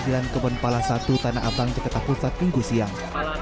jalan kebun palasatu tanah abang ceketakusat minggu siang